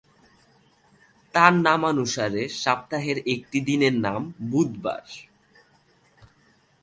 তার নামানুসারে সপ্তাহের একটি দিনের নাম বুধবার।